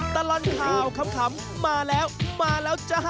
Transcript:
ตลอดข่าวขำมาแล้วมาแล้วจ้า